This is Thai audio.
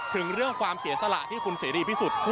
ถึงเรื่องความเสียสละที่คุณเสรีพิสุทธิ์